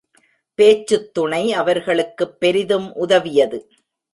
பேச்சுத்துணை அவர்களுக்குப் பெரிதும் உதவியது.